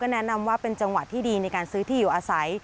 แนะนำว่าเป็นจังหวะที่ดีในการซื้อที่อยู่อาศัย